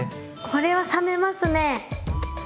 これは覚めますね。